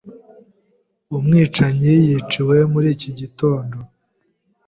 Umwicanyi yiciwe muri iki gitondo.